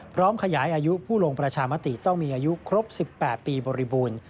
พร้อมขยายอายุผู้ลงประชามติต้องมีอายุครบ๑๘ปีบริบูรณ์